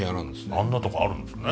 あんなとこあるんですね。